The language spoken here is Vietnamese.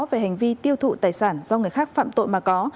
về hành vi tiêu thụ tài sản do người khác phạm tội mà có